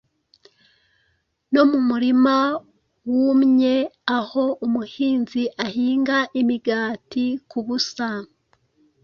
No mumurima wumye aho umuhinzi ahinga imigati kubusa.